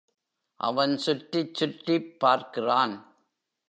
அவன் சுற்றிச் சுற்றிப் பார்க்கிறான்.